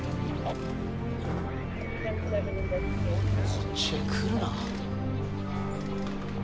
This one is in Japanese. ・こっちへ来るな。